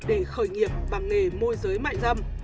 để khởi nghiệp bằng nghề môi giới mại dâm